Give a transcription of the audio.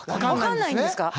分かんないんですか？